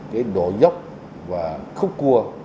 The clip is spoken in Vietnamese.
cái độ dốc và khúc cua